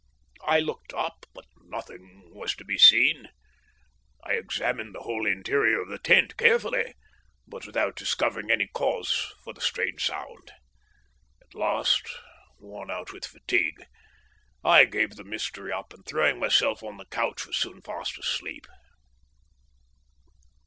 I looked up, but nothing was to be seen. I examined the whole interior of the tent carefully, but without discovering any cause for the strange sound. At last, worn out with fatigue, I gave the mystery up, and throwing myself on the couch was soon fast asleep.